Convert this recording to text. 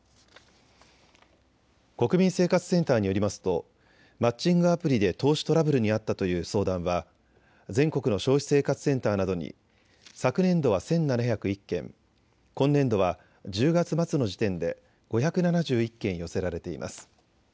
国民生活センターによりますとマッチングアプリで投資トラブルに遭ったという相談は全国の消費生活センターなどに昨年度は１７０１件、今年度は１０月末の時点で５７１件寄せられています。